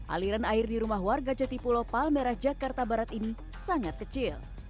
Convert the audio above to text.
aliran air di rumah warga jati pulau palmerah jakarta barat ini sangat kecil